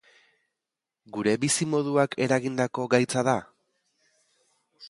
Gure bizimoduak eragindako gaitza da?